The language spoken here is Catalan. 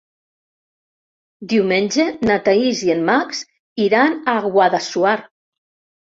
Diumenge na Thaís i en Max iran a Guadassuar.